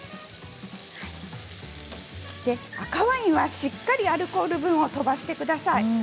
赤ワインはしっかりアルコール分を飛ばしてください。